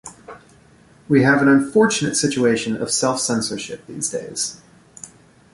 We have an unfortunate situation of self-censorship these days.